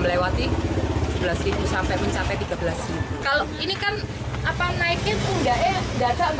melewati dua belas sampai mencapai tiga belas kalau ini kan apa naiknya itu nggak ya data enggak